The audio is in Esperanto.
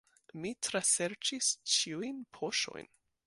Mi traserĉis ĉiujn poŝojn.